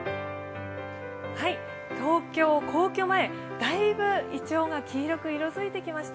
東京・皇居前、だいぶ黄色が色づいてきました。